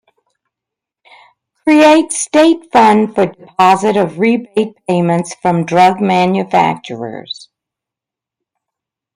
Creates state fund for deposit of rebate payments from drug manufacturers.